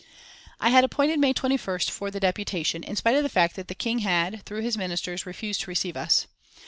I had appointed May 21st for the deputation, in spite of the fact that the King had, through his Ministers, refused to receive us.